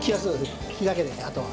気だけですあとは。